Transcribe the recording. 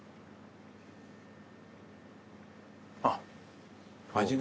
あっ。